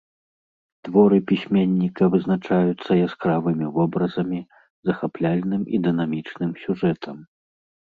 Творы пісьменніка вызначаюцца яскравымі вобразамі, захапляльным і дынамічным сюжэтам.